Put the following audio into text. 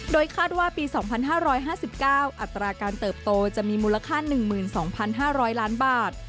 โดยคาดว่าปี๒๕๕๙อัตราการเติบโตจะมีมูลค่า๑๒๕๐๐ล้านบาท